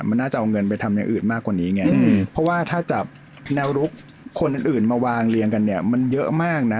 มันน่าจะเอาเงินไปทำอย่างอื่นมากกว่านี้ไงเพราะว่าถ้าจับแนวรุกคนอื่นมาวางเรียงกันเนี่ยมันเยอะมากนะ